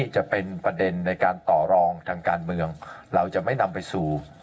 จะเป็นประเด็นในการต่อรองทางการเมืองเราจะไม่นำไปสู่